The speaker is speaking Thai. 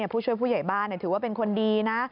ผู้ช่วยผู้ใหญ่บ้านถือว่าเป็นคนดีนะ